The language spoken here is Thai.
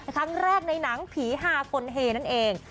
คั้นแรกในนังผีหาฝนห์นั่นเอง